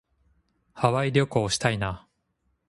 ハワイ旅行したいな。